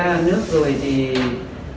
thì không có gì để nói với nhau